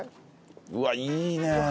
うわっいいね。